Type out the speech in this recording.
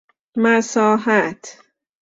مساحت